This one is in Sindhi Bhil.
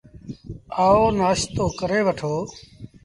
آئو، نآشتو ڪري وٺو۔